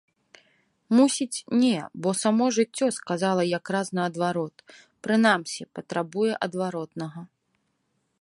Мусіць, не, бо само жыццё сказала якраз наадварот, прынамсі, патрабуе адваротнага.